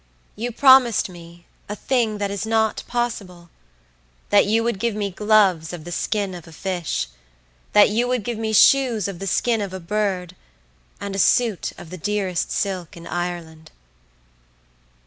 You promised me a thing that is not possible, that you would give me gloves of the skin of a fish; that you would give me shoes of the skin of a bird, and a suit of the dearest silk in Ireland.